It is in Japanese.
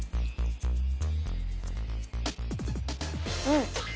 うん。